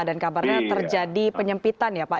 dan kabarnya terjadi penyempitan ya pak